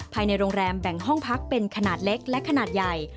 ภายในโรงแรมแบ่งห้องพักเป็นขนาดเล็กและขนาดใหญ่